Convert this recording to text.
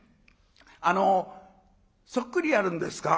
あのそっくりやるんですか？」。